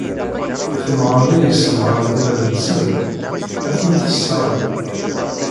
Temɣer-nni i ssemɣaren iman-nsen, ad ten-tesseɣli.